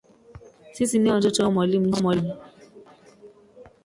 Sisi ni watoto wa mwalimu John.